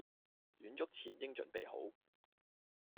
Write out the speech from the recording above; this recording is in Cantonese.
遠足前應準備好